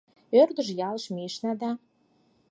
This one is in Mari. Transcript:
Ӧрдыж ялыш мийышна да